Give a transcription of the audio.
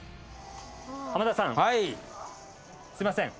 浜田さんすいません。